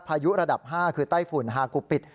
ยุระดับ๕คือไต้ฝุ่นฮากุปิด